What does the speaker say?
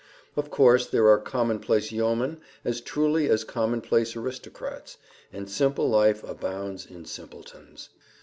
Of course there are commonplace yeomen as truly as commonplace aristocrats, and simple life abounds in simpletons.